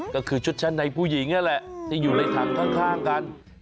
ก็คือชุดชั้นในผู้หญิงนั่นแหละที่อยู่ในถังข้างกัน